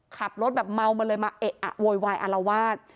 ขับรถแบบเมามาเลยมาเอะอะโวยวายอารวาส